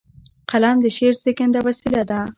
قلم د شعر زیږنده وسیله ده.